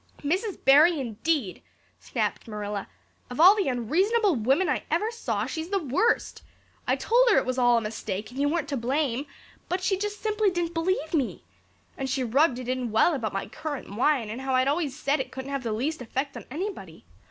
"Mrs. Barry indeed!" snapped Marilla. "Of all the unreasonable women I ever saw she's the worst. I told her it was all a mistake and you weren't to blame, but she just simply didn't believe me. And she rubbed it well in about my currant wine and how I'd always said it couldn't have the least effect on anybody.